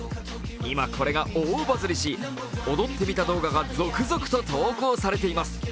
今これが大バズりし、踊ってみた動画が続々と投稿されています。